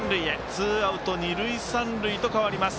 ツーアウト、二塁、三塁へと変わります。